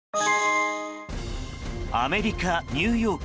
アメリカ・ニューヨーク。